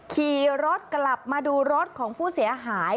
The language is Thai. ขี่รถกลับมาดูรถของผู้เสียหาย